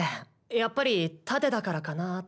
やっぱり盾だからかなって。